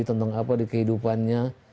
tentang apa di kehidupannya